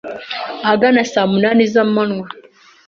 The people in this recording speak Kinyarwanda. ahagana saa munani z’amanaywa